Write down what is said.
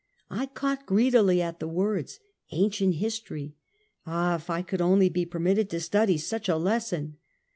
I caught greedily at the words, ancient his tory. Ah, if I could only be permitted to study such a lesson